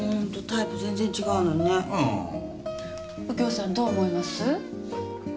右京さんどう思います？